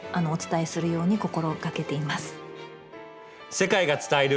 世界が伝える。